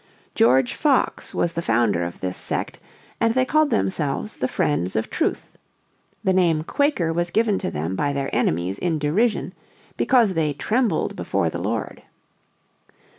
George Fox was the founder of this sect, and they called themselves the Friends of Truth. The name Quaker was given to them by their enemies in derision because they "trembled before the Lord."